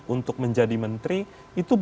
untuk menjadi menteri itu